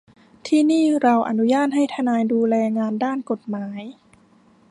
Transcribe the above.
ที่นี่เราอนุญาตให้ทนายดูแลงานด้านกฎหมาย